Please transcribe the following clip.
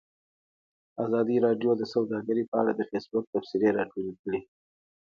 ازادي راډیو د سوداګري په اړه د فیسبوک تبصرې راټولې کړي.